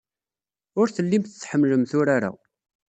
Ur tellimt tḥemmlemt urar-a.